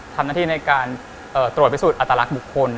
ทำหน้าที่ในการตรวจพิสูจนอัตลักษณ์บุคคล